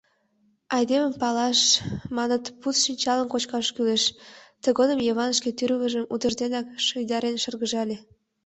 Айдемым палаш, маныт, пуд шинчалым кочкаш кӱлеш, — тыгодым Йыван шке тӱрвыжым утыжденак шуйдарен шыргыжале.